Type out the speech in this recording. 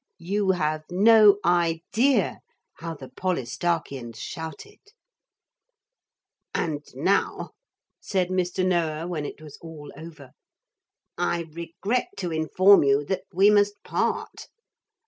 You have no idea how the Polistarchians shouted. 'And now,' said Mr. Noah when it was all over, 'I regret to inform you that we must part.